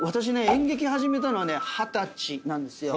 演劇始めたのはね二十歳なんですよ。